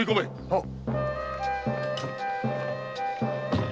はっ！